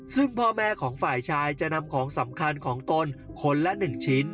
ซึ่งพ่อแม่ของฝ่ายชายจะนำของสำคัญของตนคนละ๑ชิ้น